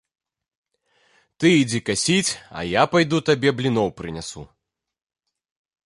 Ты ідзі касіць, а я пайду табе бліноў прынясу.